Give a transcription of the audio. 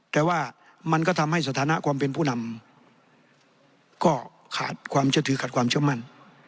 แต่ว่ามันก็ทำให้สถานะความเป็นผู้นำก็ขาดความเชื่อถือขาดความเชื่อมั่น